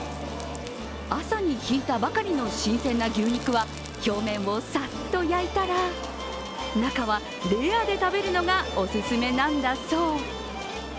朝にひいたばかりの新鮮な牛肉は表面をさっと焼いたら中はレアで食べるのがお勧めなんだそう。